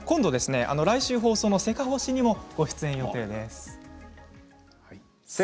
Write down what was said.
来週、放送の「せかほし」にもご出演予定です。